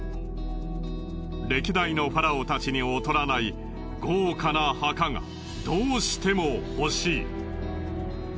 歴代のファラオたちに劣らない豪華な墓がどうしても欲しい。